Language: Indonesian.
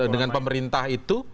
dengan pemerintah itu